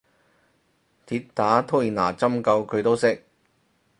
鐵打推拿針灸佢都識